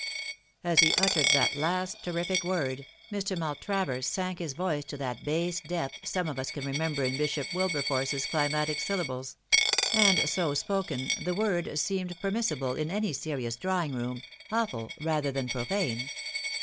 As he uttered that last terrific word Mr. Maltravers sank hia voice to that bass depth some of us can remember in Bishop Wilberforce's climactic syllables ; and so spoken, the word seemed permissible in any serious drawing room, awful rather than profane.